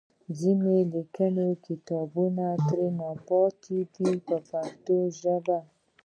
ځینې لیکلي کتابونه ترې راپاتې دي په پښتو ژبه.